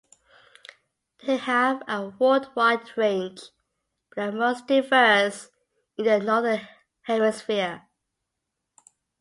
They have a worldwide range, but are most diverse in the Northern Hemisphere.